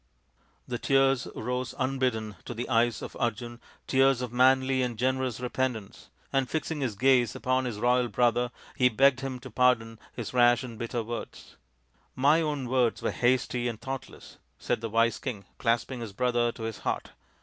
The tears rose unbidden to the eyes of Arjun, tears of manly and generous repentance, and fixing his gaze upon his royal brother he begged him to pardon his rash and bitter words. " My own words were hasty and thoughtless," said the wise king, clasping his brother to his heart.